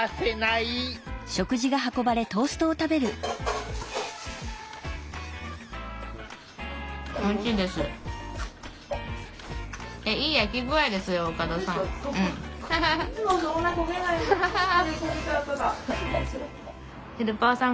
いい焼き具合ですよ岡田さん。